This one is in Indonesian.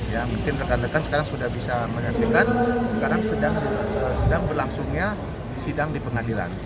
ya mungkin rekan rekan sekarang sudah bisa menyaksikan sekarang sedang berlangsungnya sidang di pengadilan